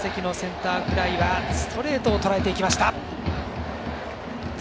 第１打席のセンターフライはストレートをとらえていきました。